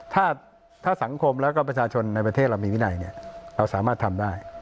ถ้าสังคมแล้วก็ประชาชนในประเทศเรามีวินัยเราสามารถทำได้